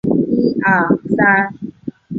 印度轮叶戟为大戟科轮叶戟属下的一个种。